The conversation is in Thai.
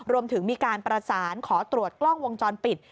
รวมถึงมีการประสานขอตรวจกล้องวงจรปิด